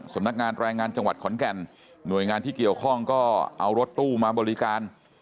สำนักงานแรงงานจังหวัดขอนแก่นหน่วยงานที่เกี่ยวข้องก็เอารถตู้มาบริการ